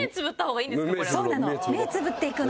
そうなの。